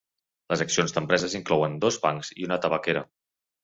Les accions d'empreses inclouen dos bancs i una tabaquera.